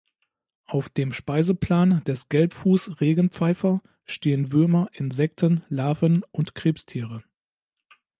Auf dem Speiseplan des Gelbfuß-Regenpfeifer stehen Würmer, Insekten, Larven und Krebstiere.